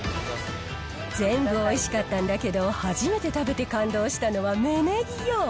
全部おいしかったんだけど、初めて食べて感動したのは芽ネギよ。